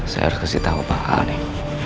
saya harus kasih tau pak a nih